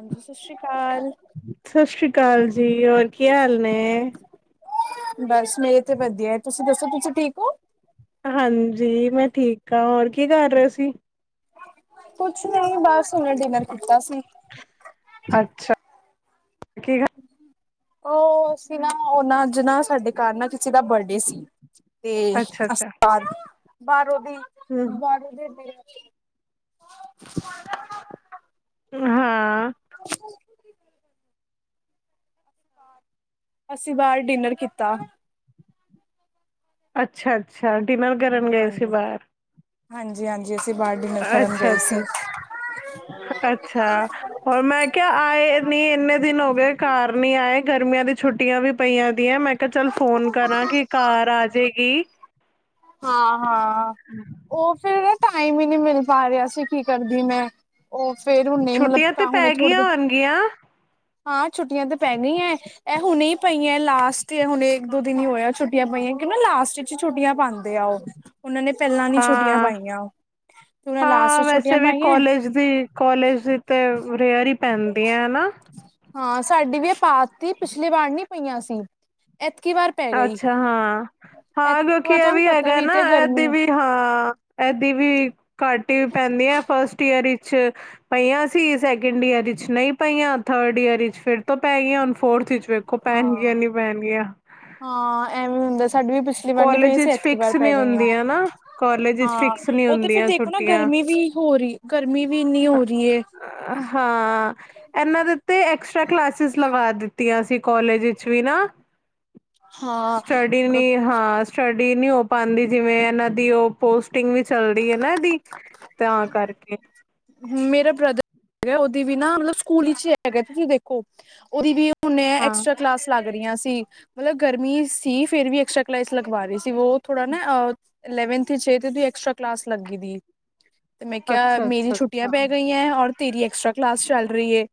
ਹਾਂਜੀ। ਸਤਿ ਸ੍ਰੀ ਅਕਾਲ। ਸਤਿ ਸ੍ਰੀ ਅਕਾਲ ਜੀ ਹੋਰ ਕੀ ਹਾਲ ਨੇ। ਬਸ ਮੇਰੇ ਤੇ ਵਧੀਆ ਹੈ ਤੁਸੀਂ ਦੱਸੋ ਤੁਸੀਂ ਠੀਕ ਹੋ? ਹਾਂਜੀ ਮੈਂ ਠੀਕ ਹਾਂ ਹੋਰ ਕੀ ਕਰ ਰਹੇ ਸੀ। ਕੁੱਛ ਨ ਉਹਨੇ ਬਾਹਰ ਹੁਣੇ ਡਿਨਰ ਕੀਤਾ ਸੀ। ਅੱਛਾ ਕੀ ਖਾ ਉਹ ਅ ਸੀਂ ਨਾ ਉਹਨਾਂ ਜਿ ਨਾ ਸਾਡੇ ਘਰ ਨਾ ਕਿਸੇ ਦਾ ਬਰਡੇ ਸੀ। ਤੇ ਅੱਛਾ। ਉਸਤਾਦ ਬਾਰੋ ਦੀ ਹਮ ਜਿੰਨਾ ਹਾਂ [inaudible] ਅਸੀਂ ਬਾਹਰ ਡਿਨਰ ਕੀਤਾ। ਅੱਛਾ ਅੱਛਾ ਡਿਨਰ ਨਾਲ ਕਰਨ ਗਏ ਸੀ ਹਾਂਜੀ। ਬਾਹਰ ਹਾਂਜੀ ਹਾਂਜੀ ਅਸੀਂ ਬਾਹਰ ਡਿਨਰ ਕਰਨ ਅੱਛਾ ਗਏ ਸੀ। ਅੱਛਾ ਅੱਛਾ। ਹੋਰ ਮੈਂ ਕਿਹਾ ਆਏ ਨਹੀਂ ਇੰਨੇ ਦਿਨ ਹੋ ਗਏ ਘਰ ਨੀ ਆਏ ਗਰਮੀਆਂ ਦੀ ਛੁੱਟੀਆਂ ਵੀ ਪਈਆਂ ਦੀਆਂ ਮੈਂ ਕਿਹਾ ਚੱਲ ਫੋਨ ਕਰਾਂ ਕਿ ਘਰ ਆਜੇਗੀ ਹਾਂ ਹਾਂ ਉਹ ਫੇਰ ਟਾਈਮ ਹੀ ਨਹੀਂ ਮਿਲ ਪਾ ਰਿਹਾ ਸੀ ਕੀ ਕਰਦੀ ਮੈਂ ਉਹ ਫੇਰ ਹੁਨੇ ਮਤਲਬ ਤਾਂ ਹੁਣੇ ਥੋੜੇ ਗਿਆ ਹਾਂ ਛੁੱਟੀਆਂ ਤਾਂ ਪੈ ਗਈਆਂ ਨੇ ਇਹ ਹੁਣੇ ਹੀ ਪਈ ਹੈ ਲਾਸਟ ਹੁਣੇ ਇੱਕ ਦੋ ਦਿਨ ਹੀ ਹੋਇਆ ਛੁੱਟੀਆਂ ਪਈਆਂ ਕਿਉਂ ਨਾ ਲਾਸਟ ਛੁੱਟੀਆਂ ਪਾਉਂਦੇ ਆ ਉਹ ਉਹਨਾਂ ਨੇ ਪਹਿਲਾਂ ਨ ਛੁੱਟੀਆਂ ਹਾਂ ਪਾਈਆਂ ਉਹ ਤੇ ਉਹਨਾਂ ਲਾਸਟ ਚ ਛੁੱਟੀਆਂ ਪਾਈਆਂ। ਅ ਕੋਲੇਜ ਤੇ ਰੀਆਰ ਹੀ ਪੈਂਦੀ ਹੈ ਨਾ। ਹਾਂ ਸਾਡੀ ਵੀ ਏ ਪਾਤੀ ਪਿਛਲੀ ਵਾਰ ਨੀ ਪਈਆਂ ਸੀ ਇਤਕੀ ਵਾਰ ਪੈ ਗਈ ਅੱਛਾ ਹਾਂ ਹਾਂ ਐਤਕੀ ਕਿਉਂਕਿ ਵਾਰ ਇਹ ਤੁਹਾਨੂੰ ਵੀ ਪਤਾ ਹੈਗਾ ਨਾ ਤੇ ਇਹਦੀ ਗਰਮੀ ਵੀ ਹਾਂ। ਇਹਦੀ ਵੀ ਘਟ ਪੈਂਦੀ ਹੈ ਫਸਟ ਈਅਰ ਵਿੱਚ ਪਈਆਂ ਸੀ ਸੈਕਿੰਡ ਈਅਰ ਵਿਚ ਨਹੀਂ ਪਈਆਂ ਥਰਡ ਈਅਰ ਵਿਚ ਫਿਰ ਤੋਂ ਪੈ ਗਈਆਂ ਹੁ ਫੋਰਥ ਵਿੱਚ ਕੋ ਪਹਿਣ ਹਾਂ ਗੀਆ ਨੀ ਪੈਣਗੀਆਂ ਹਾਂ ਐਵੇਂ ਹੁੰਦਾ ਸਾਡੀ ਵੀ ਪਿਛਲੀ ਵਾਰ ਨੀ ਕਾਲਜ ਪਈਆਂ ਸੀ ਵਿੱਚ ਐਤਕੀ ਵਾਰ ਫਿਕਸ ਪੈ ਨਹੀਂ ਗਈਆਂ ਹੁੰਦੀਆਂ ਨਾ ਕਾਲਜ ਵਿੱਚ ਫਿਕਸ ਹਾਂ ਨਹੀਂ ਉਹ ਤੇ ਫਿਰ ਹੁੰਦੀਆਂ ਦੇਖੋ ਨਾ ਛੁੱਟੀਆਂ ਗਰਮੀ ਵੀ ਹੋ ਰਹੀ ਗਰਮੀ ਵੀ ਇੰਨੀ ਹੋ ਰਹੀ ਹੈ। ਹਾਂ ਇਹਨਾਂ ਦੇ ਉੱਤੇ ਐਕਸਟਰਾ ਕਲਾਸਿਸ ਲਗਾ ਦਿੱਤੀ। ਤੀਆਂ ਸੀ ਕੋਲੇਜ ਵਿੱਚ ਵੀ ਨਾ। ਸਟੱਡੀ ਹਾਂ ਨਹੀਂ ਹਾਂ ਸਟੱਡੀ ਨਹੀਂ ਹੋ ਪਾਉਂਦੀ। ਜਿਵੇਂ ਇਹਨਾਂ ਦੀ ਉਹ ਪੋਸਟ। ਸ਼ੂਟਿੰਗ ਵੀ ਚੱਲ ਦੀ ਹੈ ਨਾ ਇਹਦੀ ਤਾਂ ਕਰਕੇ। ਮੇਰਾ ਬ੍ਰਦਰ ਹੈਗਾ ਉਹਦੀ ਵੀ ਨਾ ਮਤਲਬ ਸਕੂਲ ਵਿੱਚ ਹੈਗਾ ਤੁਸੀਂ ਦੇਖੋ ਉਹਦੀ ਵੀ। ਹੁਣੇ ਇਹ ਹਾਂ ਐਕਸਟਰਾ ਕਲਾਸ ਲੱਗ ਰਹੀਆਂ ਸੀ। ਮਤਲਬ ਗਰਮੀ ਸੀ ਫਿਰ ਵੀ ਐਕਸਟਰਾ ਕਲਾਸਿਸ ਲਗਵਾ ਰਹੀ ਸੀ। ਉਹ ਥੋੜਾ ਨਾ ਅਹ। ਲੈਵਨਥ ਚਾਹੀਦੀ ਹੈ। ਉਹਦੀ ਐਕਸਟਰਾ ਕਲਾਸ ਲੱਗੀ ਤੇ ਮੈਂ ਕਿਹਾ ਅੱਛਾ ਮੇਰੀ ਅੱਛਾ ਛੁੱਟੀ। ਅੱਛਾ ਹੈ ਔਰ ਤੇਰੀ ਐਕਸਟਰਾ ਕਲਾਸ ਚੱਲ ਰਹੀ ਹੈ।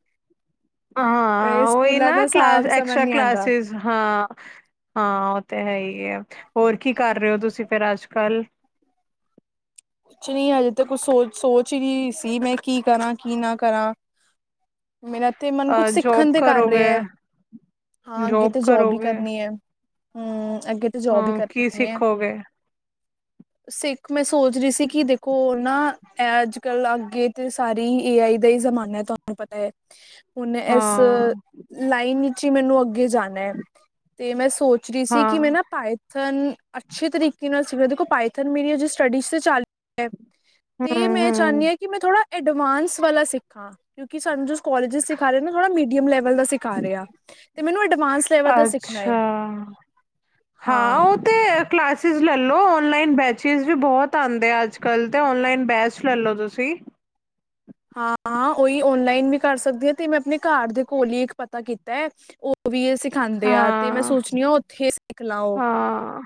ਹਾਂ ਉਹੀ ਨਾ ਦਾ ਕਲਾਸ ਹਿਸਾਬ ਸਮਝ ਐਕਸਟਰਾ ਨੀ ਆਂਦਾ ਕਲਾਸਿਸ ਹਾਂ। ਹਾਂ ਉਹ ਤੇ ਹੈ ਹੀ ਹੈ ਹੋਰ ਕੀ ਕਰ ਰਹੇ ਹੋ। ਤੁਸੀਂ ਫੇਰ ਅੱਜ ਕੱਲ। ਨਹੀਂ ਅਜੇ ਤਾਂ ਕੁਛ ਸੋਚ ਸੋਚ ਨਹੀਂ ਸੀ ਮੈਂ ਕੀ ਕਰਾਂ ਕੀ ਨਾ ਕਰਾਂ। ਮੇਰਾ ਤੇ ਮਨ ਕੁਛ ਜੋਬ ਸਿੱਖਣ ਤੇ ਕਰ ਕਰੋਗੇ ਰਿਹਾ ਹੈ। ਹਾਂ ਅੱਗੇ ਤੇ ਜੋਬ ਵੀ ਕਰਨੀ ਹੈ ਹਮ ਅੱਗੇ ਜੋਬ ਹੀ ਹਾਂ ਕੀ ਕਰਨੀ ਹੈ ਸਿੱਖੋਗੇ ਸਿੱਖ ਮੈਂ ਸੋਚ ਰਹੀ ਸੀ। ਸੀ ਕਿ ਦੇਖੋ ਨਾ ਅੱਜ ਕੱਲ ਅੱਗੇ ਤੇ ਸਾਰੇ ਹੀ ਏ ਆਈ ਦਾ ਹੀ ਜਮਾਨਾ ਤਾਂ ਪਤਾ ਹੈ ਹੁਣ ਇਸ ਹਾਂ ਲਾਈਨ ਵਿੱਚ ਹੀ ਮੈਨੂੰ ਅੱਗੇ ਜਾਣਾ। ਤੇ ਮੈਂ ਸੋਚ ਰਹੀ ਸੀ ਹਾਂ ਕਿ ਮੈਂ ਨਾ ਪਾਏ ਅੱਛੇ ਤਰੀਕੇ ਨਾਲ ਸੀਗਾ ਦੇੋ ਪਾਈਥਨ ਮੇਰੀ ਸਟੱਡੀ ਚਾਲ ਰਹੀ ਹੈ ਹੂੰ ਤੇ ਮੈਂ ਹੂੰ ਚਾਹੁੰਦੀ ਹਾਂ ਕਿ ਮੈਂ ਥੋੜਾ ਐਡਵਾਂਸ ਵਾਲਾ ਸਿੱਖਾਂ ਕਿਉਂਕ ਸਾਨੂੰ ਜੋ ਕੋਲਾਜ ਸਿਖ ਰਹੇ ਨਾ ਥੋੜਾ ਮੀਡੀਅਮ ਲੈਵਲ ਦਾ ਸਿਖਾ ਰਿਹਾ ਆ। ਤੇ ਮੈਨੂੰ ਅਡਵਾਂਸ ਲੈਵਲ ਦਾ ਸਿੱਖਣਾ ਹੈ ਅੱਛਾ ਹਾਂ। ਤੇ ਕਲਾਸਿਸ ਲਓ ਔਨਲਾਈਨ ਬੈਚਿਸ ਵੀ ਬਹੁਤ ਆਉਂਦੇ ਆ ਅੱਜ ਕੱਲ ਤੇ ਔਨਲਾਈਨ ਬੈਚ। ਬੈਂਚ ਲੈ ਲਓ ਤੁਸੀਂ। ਹਾਂ ਹਾਂ ਉਹੀ ਔਨਲਾਈਨ ਵੀ ਕਰ ਸਕਦੀ ਹਾਂ ਤੇ ਮੈਂ ਆਪਣੇ ਘਰ ਦੇ ਕੋਲ ਹੀ ਇੱਕ ਪਤਾ ਕੀਤਾ ਹੈ ਉਹ। ਉਹ ਵੀ ਇਹ ਸਿਖਾਉਂਦੇ ਆ ਤੇ ਮੈਂ ਹਾਂ ਸੋਚ ਦੀ ਆ ਉੱਥੇ ਸਿੱਖ ਲਓ। ਹਾਂ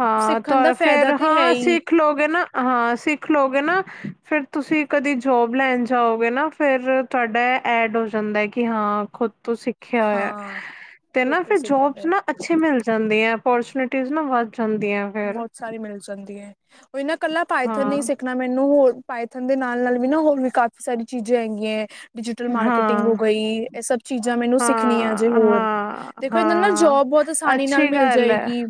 ਹਾਂ ਦਾ ਤਾਂ ਫਾਇਦਾ ਫਿਰ ਤੇ ਹੈ ਹਾਂ ਹੀ ਅਸੀਂ। ਸਿੱਖ ਲੋਗੇ ਨਾ ਹਾਂ ਸਿੱਖ ਲੋਗੇ ਨਾ ਫਿਰ ਤੁਸੀਂ ਕਦੇ ਜੋਬ ਲੈਣ ਜਾਓਗੇ ਨਾ ਫਿਰ। ਤੁਹਾਡਾ ਐ ਐਡ ਹੋ ਜਾਂਦਾ ਹੈ। ਕਿ ਹਾਂ ਖੁਦ ਤੁਸੀ। ਰੱਖਿਆ ਹੋਇਆ ਹਾਂ ਤੇ ਖੁਦ ਨਾ ਤੋਂ ਫਿਰ ਸਿੱਖਿਆ ਜੋਬਸ ਦਾ ਨਾ। ਅੱਛੇ ਮਿਲ ਜਾਂਦੇ ਹੈ ਅਪੋਰਚਨਿਟੀਜ਼ ਨਾ ਵੱਧ ਜਾਂਦੀਆਂ ਹੈ। ਬਹੁਤ ਸਾਰੀ ਮਿਲ ਜਾਂਦੀ ਹੈ ਉਹ ਇਹਨਾਂ ਕੱਲਾ ਹਾਂ ਪਾਈਥਨ ਨਹੀਂ ਸਿੱਖ। ਸਿੱਖਣਾ ਮੈਨੂੰ ਹੋਰ ਪਾਈਥਨ ਦੇ ਨਾਲ ਨਾਲ ਵੀ ਨਾ ਹੋਰ ਵੀ ਕਾਫੀ ਸਾਰੀ ਚੀਜ਼ਾਂ ਹੈਗੀਆਂ। ਡਿਜੀਟਲ ਮਾਰਕੀਟਿੰਗ ਹਾਂ ਹੋ ਗਈ। ਇਹ ਸਬ ਚੀਜ਼ਾਂ ਮੈਨੂੰ ਸਿੱਖਣੀ ਹਜੇ ਹਾਂ ਹੋਰ। ਹਾਂ ਦੇਖੋ ਇਹਨਾਂ ਨਾਲ ਹਾਂ ਜੋਬ ਬਹੁਤ ਆਸਾਨੀ ਨਾਲ ਅੱਛੀ ਮਿਲ ਗੱਲ ਹੈ ਜਾਏਗੀ।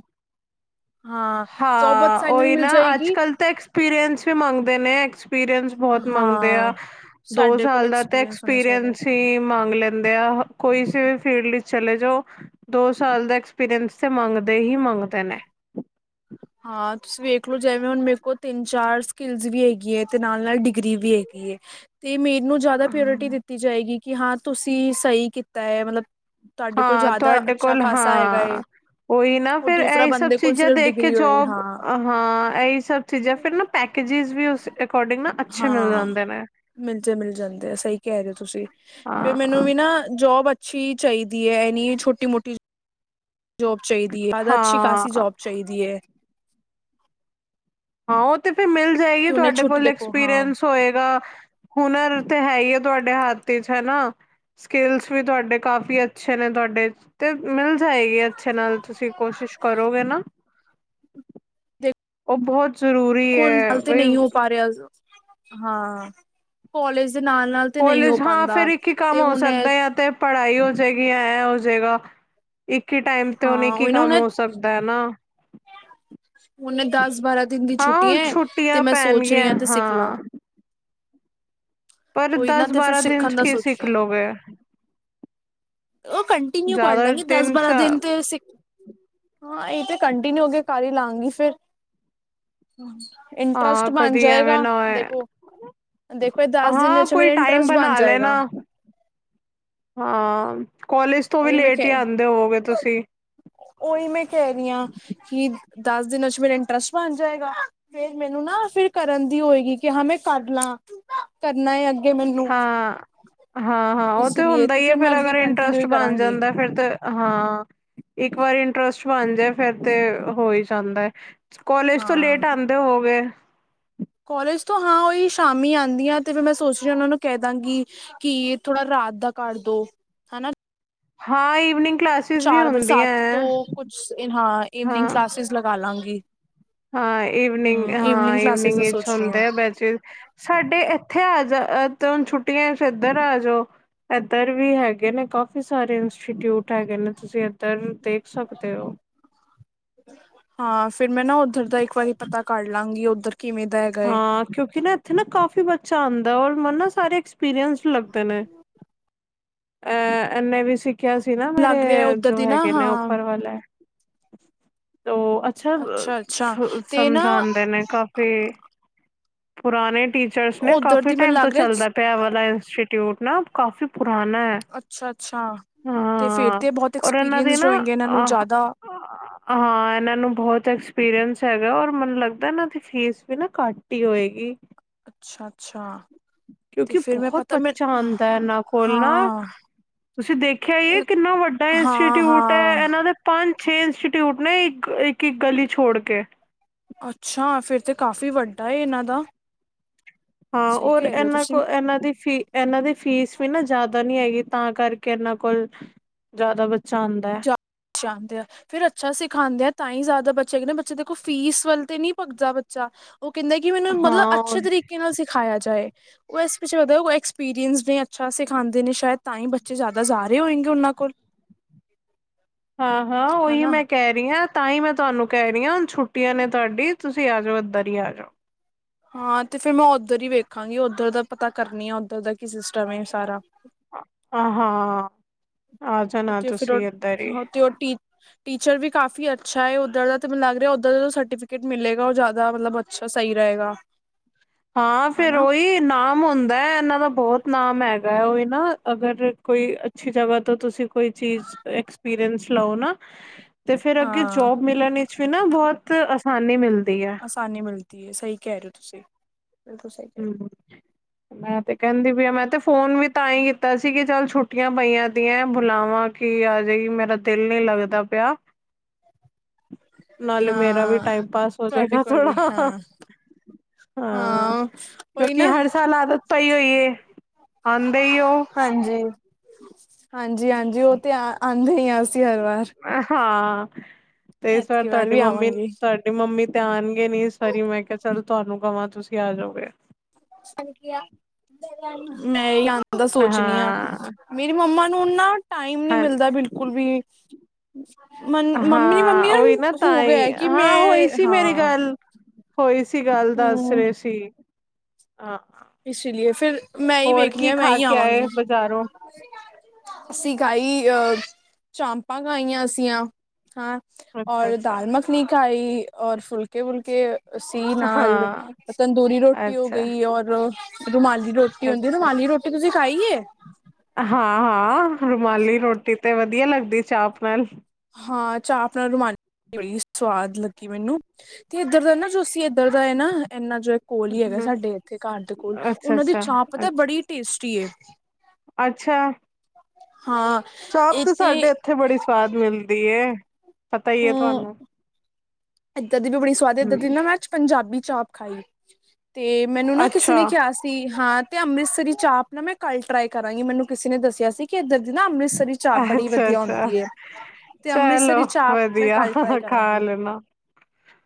ਹਾਂ ਜੋਬ ਬਹੁਤ ਹਾਂ ਆਸਾਨੀ ਨਾਲ ਉਹੀ ਮਿਲ ਨਾ ਅੱਜ ਜਾਏਗੀ ਕੱਲ ਤਾਂ ਐਕਸਪੀਰੀਐਂਸ ਵੀ ਮੰਗਦੇ ਨੇ। ਐਕਸਪੀਰੀਐਂਸ ਬਹੁਤ ਮੰਗਦੇ ਹਾਂ ਆ ਦੋ ਸਾਡੇ ਕੋਲ ਸਾਲ ਦਾ ਤੇ ਐਕਸਪੀਰੀਅੰਸ ਹੋਣਾ ਚਾਹੀਦਾ ਐਕਸਪੀਰੀਐਂਸ ਹੀ ਮੰਗ ਲੈਂਦੇ। ਲੈਂਦੇ ਦੇ ਆ ਕੋਈ ਵੀ ਫੀਲਡ ਵਿੱਚ ਚਲੇ ਜੋ। ਦੋ ਸਾਲ ਦਾ ਐਕਸਪੀਰੀਐਂਸ ਤੇ ਮੰਗਦੇ ਹੀ ਮੰਗਦੇ ਨੇ। ਹਾਂ ਤੁਸੀਂ ਵੇਖਲੋ। ਜਿਵੇਂ ਹੁਣ ਮੇਰੇ ਕੋਲ ਤਿੰਨ ਚਾਰ ਸਕਿਲਸ ਵੀ ਹੈਗੀ ਹੈ। ਤੇ ਨਾਲ ਨਾਲ ਡਿਗਰੀ ਵੀ ਹੈਗੀ ਹੈ। ਤੇ ਮੈਨੂੰ ਨੂੰ ਜ਼ਿਆਦਾ ਪ੍ਰਾਓਰਟੀ ਦਿੱਤੀ ਜਾਏਗੀ। ਕਿ ਹਾਂ ਤੁਸੀਂ ਸਹੀ ਕੀਤਾ ਹੈ ਮਤਲਬ। ਤੁਹਾਡੇ ਕੋਲ ਹਾਂ ਜ਼ਿਆਦਾ ਤੁਹਾਡੇ ਅੱਛਾ ਕੋਲ ਖਾਸਾ ਹੈਗਾ ਏ ਹਾਂ ਉਹੀ ਨਾ ਔਰ ਫਿਰ ਦੂਸਰਾ ਇਹੀ ਸਭ ਬੰਦੇ ਕੋਲ ਚੀਜ਼ਾਂ ਸਿਰਫ ਦੇਖ। ਕੇ ਡਿਗਰੀ ਹੋਏ ਜੋਬ ਹਾਂ ਹਾਂ ਇਹੀ ਸਭ ਚੀਜ਼ਾਂ ਫਿਰ ਨਾ ਪੈਕੇਜਿਸ ਵੀ ਉਸ ਅਕੋਰਡਿੰਗ ਨਾ। ਅੱਛੇ ਮਿਲ ਜਾਂਦੇ ਨੇ। ਮਿਲ ਜੇ ਮਿਲ ਜਾਂਦੇ ਆ ਸਹੀ ਕਹਿ ਰਹੇ ਹੋ। ਤੁਸੀਂ ਫਿਰ ਮੈਨੂੰ ਹਾਂ ਵੀ ਨਾ ਜੋਬ। ਅੱਛੀ ਚਾਹੀਦੀ ਹੈ। ਇਹ ਨਹੀਂ ਛੋਟੀ ਮੋਟੀ ਜੋਬ ਚਾਹੀਦੀ ਹੈ। ਜ਼ਿਆਦਾ ਅੱਛੀ ਹਾਂ ਖਾਸੀ ਜੋਬ। ਚਾਹੀਦੀ ਏ। ਹਾਂ ਉਹ ਤੇ ਫਿਰ ਮਿਲ ਜਾਏਗੀ ਕਿ ਉਹਨੇ ਤੁਹਾਡੇ ਛੁੱਟੀ ਕੋਲ ਦੇਖੋ ਹਾਂ ਦੇ ਐਕਸਪੀਰੀਐਂਸ ਹੋਏਗਾ। ਹੁਨਰ ਤੇ ਹੈ ਹੀ ਆ ਤੁਹਾਡੇ ਹੱਥ ਵਿਚ ਹਨਾ। ਸਕਿਲਸ ਵੀ ਤੁਹਾਡੇ ਕਾਫੀ ਅੱਛੇ ਨੇ ਤੁਹਾਡੇ ਤੇ ਮੈਂ। ਹੈ ਹੀ ਹੈ। ਅੱਛੇ ਨਾਲ ਤੁਸੀਂ ਕੋਸ਼ਿਸ਼ ਕਰੋਗੇ ਨਾ। ਉਹ ਬਹੁਤ ਜ਼ਰੂਰੀ। ਦੇਖੋ ਹੁਣ ਹੈ ਕੱਲ ਤੇ ਬਈ ਨਹੀਂ ਹੋ ਪਾ ਰਿਹਾ ਸੀ। ਹਾਂ ਕੋਲਾਜ ਦੇ ਨਾਲ ਨਾਲ। ਤੇ ਨਹੀਂ ਹੋ ਕੋਲੇਜ ਹਾਂ ਪਾਉਂਦਾ ਫੇਰ ਇੱਕ ਹੀ ਕੰਮ ਤੇ ਹੋ ਹੁਣ ਸਕਦਾ‌ ਜਾ ਤੇ ਪੜ੍ਹਾਈ ਹੋ ਜਾਏਗੀ ਜਾਂ ਐ ਹੋ ਜਾਏਗਾ ਇੱਕ ਹੀ ਟਾਈਮ ਤੇ ਹੁਣ ਹਾਂ ਇੱਕ ਹੀ ਉਹੀ ਨਾ ਹੁਣ ਕੰਮ ਹੋ ਸਕਦਾ [unintelligible] ਹੁਣ ਦਸ ਬਾਰਾਂ ਦਿਨ ਦੀ ਹਾਂ ਹੁਣ ਛੁੱਟੀਆ ਤੇ ਛੁੱਟੀਆਂ ਮੈਂ ਸੋਚ ਰਹੀ ਪੈਣਗੀਆਂ ਆ ਤੇ ਸਿੱਖ ਲਾਂ ਹਾਂ ਪਰ ਕੋਈ ਨਾ ਦਸ ਤੇ ਫਿਰ ਬਾਰਾਂ ਦਿਨ ਸਿੱਖਣ ਚ ਦਾ ਕੀ ਸੋਚ ਸਿੱਖ ਰਿਹਾ ਲੋਗੇ ਉਹ ਕੰਟੀਨਿਊ ਕਰ ਜ਼ਿਆਦਾ ਲਾਂਗੇ ਦਸ ਚ ਬਾਰਾਂ ਦਿਨ ਤੇ ਸਿੱ ਹਾਂ ਇਹ ਤੇ ਕੰਟੀਨਿਊ ਹੋਗੇ ਕਰ ਹੀ ਲਾਂਗੀ ਫਿਰ ਇੰਟਰਸਟ ਹਾਂ ਬਣ ਕਦੀ ਐਵੇਂ ਜਾਏਗਾ ਨਾ ਹੋਏ ਦੇਖੋ ਦੇਖੋ ਇਹ ਦੱਸ ਹਾਂ ਕੋਈ ਟਾਈਮ ਬਣਾ ਲੈ ਨਾ ਹਾਂ ਕਾਲਜ ਉਹੀ ਮੈਂ ਕਹਿ ਉਹੀ ਮੈਂ ਕਹਿ ਰਹੀ ਆ ਕਿ ਦਸ ਦਿਨਾਂ 'ਚ ਮੇਰਾ ਇੰਟਰਸਟ ਬਣ ਜਾਏਗਾ। ਫਿਰ ਮੈਨੂੰ ਨਾ ਫਿਰ ਕਰਨ ਦੀ ਹੋਏਗੀ ਕਿ ਹਾਂ ਮੈਂ ਕਰ ਲਾਂ ਕਰਨਾ ਆ ਅੱਗੇ ਮੈਨੂੰ। ਹਾਂ ਹਾਂ ਉਹ ਇਸ ਤੇ ਲਈ ਹੁੰਦਾ ਹੀ ਹੈ ਫਿਰ ਮੈਂ ਫੇਰ ਅੱਗੇ ਅਗਰ ਕੰਟੀਨਿਊ ਇੰਟਰਸਟ ਹੀ ਬਣ ਕਰਾਂਗੀ ਜਾਂਦਾ ਹੈ। ਫਿਰ ਤੇ ਹਾਂ ਇੱਕ ਵਾਰ ਇੰਟਰਸਟ ਬਣ ਜਾਏ ਫੇਰ ਤੇ ਹੋ ਹੀ ਜਾਂਦਾ ਏ ਕੋਲੇਜ ਤੋਂ ਲੇਟ ਆਂਦੇ ਹੋ ਗਏ ਕੋਲੇਜ ਤੋਂ ਹਾਂ ਉਹੀ ਸ਼ਾਮੀ ਆਂਦੀ ਆ ਤੇ ਫਿਰ ਮੈਂ ਸੋਚ ਰਹੀ ਹਾਂ ਉਹਨਾਂ ਨੂੰ ਕਹਿ ਦਾਂਗੀ ਕੀ ਥੋੜਾ ਰਾਤ ਦਾ ਕਰ ਦੋ ਹਨਾ ਹਾਂ ਈਵਨਿੰਗ ਕਲਾਸ ਚਾਰ ਵਜੇ ਸੱਤ ਤੋਂ ਕੁਛ ਹਾਂ ਇਵਨਿੰਗ ਕਲਾਸਿਸ ਲਗਾ ਲਾਂਗੀ ਹਾਂ ਈਵਨਿੰਗ ਹਮ ਹਾਂ ਕਲਾਸਿਸ ਈਵਨਿੰਗ ਦਾ ਵਿੱਚ ਸੋਚ ਰਹੀ ਹਾਂ ਹੁੰਦੇ ਆ ਬੈਚ ਸਾਡੇ ਇੱਥੇ ਅ ਆ ਜਾ ਤੈਨੂੰ ਛੁੱਟੀਆਂ ਫੇਰ ਇੱਧਰ ਆ ਜਾਓ ਇੱਧਰ ਵੀ ਹੈਗੇ ਨੇ ਕਾਫੀ ਇੰਸਟੀਚਿਊਟ ਹੈਗੇ ਨੇ ਤੁਸੀਂ ਇੱਧਰ ਦੇਖ ਸਕਦੇ ਹੋ ਹਾਂ ਫੇਰ ਮੈਂ ਨਾ ਉੱਧਰ ਦਾ ਇੱਕ ਵਾਰੀ ਪਤਾ ਕਰ ਲਾਂਗੀ ਉੱਧਰ ਕਿਵੇਂ ਦਾ ਹੈਗਾ ਹਾਂ ਕਿਉਂਕਿ ਨਾ ਇੱਥੇ ਨਾ ਕਾਫੀ ਬੱਚਾ ਆਉਂਦਾ ਔਰ ਮੈਨੂੰ ਨਾ ਸਾਰੇ ਐਕਸਪੀਰੀਸਦ ਲੱਗਦੇ ਨੇ ਏਹ ਇਹਨੇ ਵੀ ਸਿੱਖਿਆ ਸੀ ਨਾ ਮੇਰੇ ਲੱਗ ਰਿਹਾ ਉੱਧਰ ਜੋ ਦੀ ਨਾ ਹੈਗੇ ਨੇ ਹਾਂ ਉੱਪਰ ਵਾਲੇ ਉਹ ਅੱਛਾ ਅੱਛਾ ਸ ਤੇ ਨਾ ਸਮਝਾਦੇ ਨੇ ਕਾਫ ਤੇ ਪੁਰਾਣੇ ਟੀਚਰਸ ਨੇ ਉੱਧਰ ਕਾਫ਼ੀ ਦੀ ਮੈਨੂੰ ਟਾਈਮ ਤੋਂ ਲੱਗ ਰਿਹਾ ਚੱਲਦਾ ਪਿਆ ਇਹ ਵਾਲਾ ਇੰਨਸਿ ਟੀਊਟ ਨਾ ਕਾਫੀ ਪੁਰਾਨਾ ਏ ਅੱਛਾ, ਅੱਛਾ ਤੇ ਫੇਰ ਤੇ ਬਹੁਤ ਔਰ ਇਹਨਾਂ ਦੇ ਐਕਸਪੀਰੀਅੰਸਡ ਨਾ ਹੋਏਗੇ ਇਹਨਾਂ ਨੂੰ ਅਹ ਜ਼ਿਆਦਾ [inaudible] ਹਾਂ ਇਹਨਾਂ ਨੂੰ ਬਹੁਤ ਐਕਸਪੀਰੀਸ ਹੈਗਾ ਔਰ ਮੈਨੂੰ ਲੱਗਦਾ ਇਹਨਾਂ ਦੀ ਫੀਸ ਵੀ ਨਾ ਘੱਟ ਹੀ ਹੋਏਗੀ ਅੱਛਾ ਅੱਛਾ ਤੇ ਕਿਉਂਕਿ ਫਿਰ ਮੈਂ ਬਹੁਤ ਪਤਾ ਮੈਂ ਬੱਚਾ ਆਉਂਦਾ ਇਨਾਂ ਕੋਲ ਹਾਂ ਤੁਸੀਂ ਦੇਖਿਆ ਕਿੰਨਾ ਵੱਡਾ ਹਾਂ ਇੰਸਟੀਟਿਊਟ ਹੈ ਹਾਂ ਇਹਨਾਂ ਪੰਜ ਛੇ ਇੰਸਟੀਟਿਊਟ ਨੇ ਇੱਕ ਇੱਕ ਇੱਕ ਗਲੀ ਛੋੜ ਕੇ ਅੱਛਾ ਫੇਰ ਤੇ ਕਾਫ਼ੀ ਵੱਡਾ ਏ ਇਹਨਾਂ ਦਾ ਹਾਂ ਸਹੀ ਔਰ ਕਹਿ ਰਹੇ ਹੋ ਇਹਨਾਂ ਤੁਸੀਂ ਕੋਲ ਇਹਨਾਂ ਦੀ ਫੀ ਇਹਨਾਂ ਦੀ ਫੀਸ ਵੀ ਨਾ ਜ਼ਿਆਦਾ ਨਹੀਂ ਹੈਗੀ ਤਾਂ ਕਰਕੇ ਇਹਨਾਂ ਕੋਲ ਜ਼ਿਆਦਾ ਬੱਚਾ ਆਂਦਾ ਏ [unintelligible] ਫੇਰ ਅੱਛਾ ਸਿਖਾਉਂਦੇ ਆ ਤਾਂ ਹੀ ਜ਼ਿਆਦਾ ਬੱਚਾ ਆਂਏਗੇ ਬੱਚੇ ਦੇਖੋ ਫੀਸ ਵੱਲ ਤੇ ਨਹੀਂ ਭਗਦਾ ਬੱਚਾ ਉਹ ਕਹਿੰਦੇ ਕਿ ਮੈਨੂੰ ਮਤਲਬ ਹਾਂ ਅੱਛੇ ਤਰੀਕੇ ਨਾਲ ਸਿਖਾਇਆ ਜਾਏ ਉਹ ਇਸ ਪਿੱਛੇ ਲੱਗਦਾ ਐਕਸਪੀਰੀਅੰਸਦ ਨੇ ਅੱਛਾ ਸਿਖਾਉਂਦੇ ਨੇ ਸ਼ਾਇਦ ਤਾਂ ਹੀ ਬੱਚੇ ਜ਼ਿਆਦਾ ਜਾ ਰਹੇ ਹੋਏਗੇ ਉਹਨਾਂ ਕੋਲ ਹਾਂ, ਹਾਂ ਉਹੀ ਹਨਾ ਮੈਂ ਕਹਿ ਰਹੀ ਹਾਂ ਤਾਂ ਹੀ ਮੈਂ ਤੁਹਾਨੂੰ ਕਹਿ ਰਹੀ ਹਾਂ ਹੁਣ ਛੁੱਟੀਆਂ ਨੇ ਤੁਹਾਡੀ ਤੁਸੀਂ ਆ ਜਾਓ ਇੱਧਰ ਹੀ ਆ ਜਾਓ ਹਾਂ ਤੇ ਫੇਰ ਮੈਂ ਉੱਧਰ ਹੀ ਵੇਖਾਂਗੀ ਉੱਧਰ ਦਾ ਪਤਾ ਕਰਨੀ ਆ ਉੱਧਰ ਦਾ ਕੀ ਸਿਸਟਮ ਏ ਸਾਰਾ ਆ ਹਾਂ ਆ ਜਾਣਾ ਉਥੇ ਫੇਰ ਉਹ ਤੁਸੀਂ ਇੱਧਰ ਹੀ ਟੀਚਰ ਵੀ ਕਾਫੀ ਅੱਛਾ ਏ ਉਦਾਂ ਦਾ ਤੇ ਮੈਨੂੰ ਲੱਗ ਰਿਹਾ ਉਦਾਂ ਦਾ ਸਰਟੀਫਿਕੇਟ ਮਿਲੇਗਾ ਉਹ ਜਿਆਦਾ ਮਤਲਬ ਅੱਛਾ ਸਹੀ ਰਹੇਗਾ। ਹਾਂ ਫਿਰ ਹਨਾ ਉਹੀ ਨਾ। ਹੁੰਦਾ ਹੈ ਇਹਨਾਂ ਦਾ ਬਹੁਤ ਨਾਮ ਹੈਗਾ। ਉਹ ਹੀ ਨਾ ਅਗਰ ਕੋਈ ਅੱਛੀ ਜਗ੍ਹਾ ਤੋਂ ਤੁਸੀਂ ਕੋਈ ਚੀਜ਼ ਐਕਸਪੀਰੀਅਸ ਲਓ ਨਾ। ਤੇ ਫੇਰ ਅੱਗੇ ਹਾਂ ਜੋਬ ਮਿਲਣ ਵਿੱਚ ਵੀ, ਨਾ ਬਹੁਤ ਆਸਾਨੀ ਮਿਲਦੀ ਹੈ। ਆਸਾਨੀ ਮਿਲਦੀ ਹੈ। ਸਹੀ ਕਹਿ ਰਹੇ ਹੋ ਤੁਸੀਂ ਬਿਲਕੁਲ ਸਹੀ ਕਹਿ ਹੂੰ ਰਹੇ ਮੈਂ ਤੇ ਕਹਿੰਦੀ ਪਈ ਮੈਂ, ਤੇ ਫੋਨ ਵੀ ਤਾਂ ਹੀ ਕੀਤਾ ਸੀ। ਕਿ ਚੱਲ ਛੁੱਟੀਆਂ ਪਈਆਂ ਦੀਆਂ ਬੁਲਾਵਾਂ। ਕੀ ਆ ਜਾਏਗੀ। ਮੇਰਾ ਦਿਲ ਨੀ ਲੱਗਦਾ ਪਿਆ। ਹੋ। ਨਾਲੇ ਮੇਰਾ ਵੀ ਹਾਂ ਟਾਈਮ ਪਾਸ ਤੁਹਾਡੇ ਹੋਜੇਗਾ ਕੋਲ ਥੋੜਾ ਵੀ ਆ ਹਾ। ਹਾਂ ਹਾਂ ਉਹੀ ਬਾਕੀ ਨਾ ਹਰ ਸਾਲ ਆਦਤ ਪਈ ਹੋਈਏ, ਆਂਦੇ ਈ ਔ। ਹਾਂਜੀ, ਹਾਂਜੀ-ਹਾਂਜੀ ਔਹ ਤੇ ਆ, ਆਂਦੇ ਹੀ ਆ ਅਸੀ‌ ਹਰ ਵਾਰ। ਹਾਂ ਤੇ ਇਸ ਵਾਰ ਐਤਕੀ ਤੁਹਾਡੀ ਵੀ ਮੰਮੀ ਆਵਾਂਗੇ ਤੁ ਮੰਮੀ ਤੇ ਆਨਗੇ ਨੀ ਇਸ ਵਾਰੀ ਮੈਂ ਕਹਾ ਚੱਲ ਤੁਹਾਨੂੰ ਕਵਾਂ ਤੁਸੀਂ ਆ ਜਾਓਗੇ ਮੈਂ ਹੀ ਆਨ ਦਾ ਸੋਚ ਨੀ ਆ ਹਾਂ ਮੇਰੀ ਮੰਮਾ ਨੂੰ ਨਾ ਟਾਈਮ ਨੀ ਹਾਂ ਮਿਲਦਾ ਬਿਲਕੁਲ ਵੀ ਮੰ ਮੰਮੀ ਹਾਂ ਮੰਮੀ ਉਹੀ ਨਾ ਤਾਂ ਹੋ ਗਿਆ ਹੀ ਕਿ ਹਾਂ ਹੋਈ ਮੈਂ ਸੀ ਮੇਰੀ ਹਾਂ ਗੱਲ ਹੋਈ ਸੀ ਗੱਲ ਦੱਸ ਹਮ ਰਹੇ ਸੀ ਹਾਂ ਇਸੇ ਲਈਏ ਫਿਰ ਮੈਂ ਹੀ ਹੋਰ ਵੇਖਣੀ ਕੀ ਆ ਮੈਂ ਖਾ ਹੀ ਕੇ ਆਏ ਆਵਾਂਗੀ ਬਜ਼ਾਰੋਂ ਸਤਿ ਸ਼੍ਰੀ ਅਕਾਲ ਚਾਪਾਂ। ਖਾਈਆਂ ਅਸੀਂ ਆਂ ਚੰਪਾਂ ਖਾਈਆਂ ਅਸੀਂ ਆ। ਅੱਛਾ ਔਰ ਅੱਛਾ ਦਾਲ ਮੱਖਣੀ ਖਾਈ ਔਰ ਫੁਲਕੇ-ਵੁਲਕੇ ਅਸੀ ਨਾਲ ਹਾਂ ਤੰਦੂਰੀ ਰੋਟੀ ਹੋ, ਅੱਛਾ ਗਈ ਔਰ ਰੁਮਾਲੀ ਰੋਟੀ ਹੁੰਦੀ। ਅੱਛਾ ਰੁਮਾਲੀ ਰੋਟੀ ਤੁਸੀਂ ਖਾਈ ਏ? ਹਾਂ-ਹਾਂ ਰੁਮਾਲੀ ਰੋਟੀ ਤੇ ਵਧੀਆ ਲੱਗਦੀ ਚਾਪ ਨਾਲ। ਹਾਂ ਚਾਪ ਨਾਲ ਰੁਮਾਲੀ ਰੋਟੀ ਬੜੀ ਸਵਾਦ ਗੱਲੀ ਮੈਨੂੰ-ਮੈਨੂੰ ਤੇ ਇਦਾਂ ਦਾ ਨਾ ਤੁਸੀਂ ਇਦਾਂ ਦਾ ਹੈ ਨਾ ਇੰਨਾ ਜਿਹਾ ਕੋਲ ਹੀ, ਹੈਗਾ ਹੂੰ, ਸਾਡੇ ਇੱਥੇ ਘਰ ਦੇ, ਕੋਲ ਅੱਛਾ ਉਹਨਾਂ ਦੀ ਅੱਛਾ ਚਾਪ ਪਤਾ ਅੱਛਾ ਬੜੀ ਟੇਸਟੀ ਅੱਛਾ ਹਾਂ ਚਾਪ ਇਹ ਤਾਂ ਤੇ ਸਾਡੇ ਇੱਥੇ ਬੜੀ ਸਵਾਦ ਮਿਲਦੀ ਏ ਪਤਾ ਹੀ ਹੈ ਤੁਹਾਨੂੰ ਇੱਧਰ ਦੀ ਵੀ ਬੜੀ ਸਵਾਦ ਏ, ਇੱਧਰ ਦੀ ਹੂੰ ਨਾ ਮੈਂ ਅੱਜ ਪੰਜਾਬੀ ਚਾਪ ਖਾਈ। ਤੇ ਮੈਨੂੰ ਨਾ ਕਿਸੇ ਅੱਛਾ, ਨੇ ਕਿ ਆ ਸ ਤੀ, ਹਾਂ ਤੇ ਅੰਮ੍ਰਿਤਸਰੀ ਚਾਪ ਨਾ ਮੈਂ ਕੱਲ ਟ੍ਰਾਈ ਕਰਾਂਗੀ ਮੈਨੂੰ ਕਿਸੇ ਨੇ ਦੱਸਿਆ ਸੀ ਕਿ ਇਧਰ ਦੀ ਨਾ, ਅੰਮ੍ਰਿਸਰੀ ਚਾਪ‌ ਬੜੀ ਅੱਛਾ, ਵਧੀਆ ਅੱਛਾ। ਹੁੰਦੀ ਏ, ਤੇ ਅੰਮ੍ਰਿਤਸਰੀ ਚਾਪ ਮੈਂ ਕੱਲ ਵਿਯਾਹਾ ਟਰਾਈ ਹਾ ਖਾ ਕਰਾਂਗੀ ਲੇਨਾ,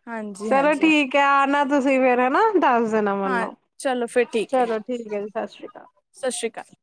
ਹਾਂਜੀ ਚਲੋ ਹਾਂਜੀ ਠੀਕ ਹੈ। ਆਨਾ ਤੁਸੀ ਫੇਰ ਹੈਨਾ ਦੱਸ ਦੇਣਾ ਹਾਂ ਮਨੂੰ, ਚਲੋ ਚਲੋ ਠੀਕ ਏ, ਸਤਿ ਸ਼੍ਰੀ ਅਕਾਲ। ਸਸ਼੍ਰੀ ਕਾਲ।